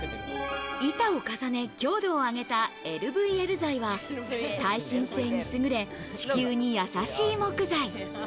板を重ね、強度を重ねたＬＶＬ材は耐震性にも優れ、地球にもやさしい木材。